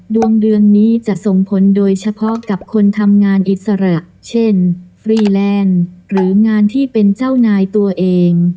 ดวงเดือนนี้จะส่งผลโดยเฉพาะกับคนทำงานอิสระเช่นฟรีแลนด์หรืองานที่เป็นเจ้านายตัวเอง